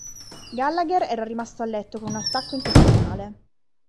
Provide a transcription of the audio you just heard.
Gallagher era rimasto a letto con un attacco intestinale.